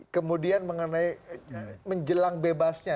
kemudian mengenai menjelang bebasnya